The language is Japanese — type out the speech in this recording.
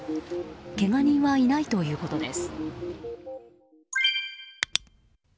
けが人はいないということです。